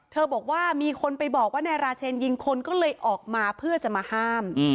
บอกว่ามีคนไปบอกว่านายราเชนยิงคนก็เลยออกมาเพื่อจะมาห้าม